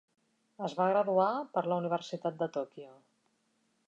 Es va graduar per la Universitat de Tokyo.